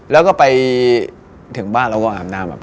เราก็ไปถึงบ้านเราก็อาบน้ำกัน